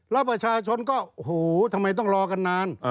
แล้วประชาชนก็โอ้โหทำไมต้องรอกันนาน